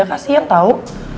gak ada yang tau